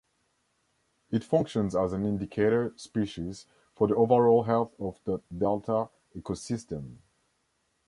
It functions as an indicator species for the overall health of the Delta's ecosystem.